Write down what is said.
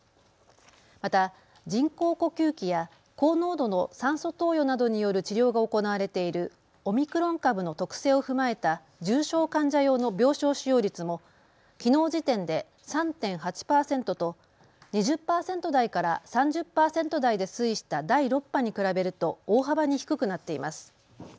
また人工呼吸器や高濃度の酸素投与などによる治療が行われているオミクロン株の特性を踏まえた重症患者用の病床使用率もきのう時点で３．８％と２０％台から３０％台で推移した第６波に比べると大幅に低くなっています。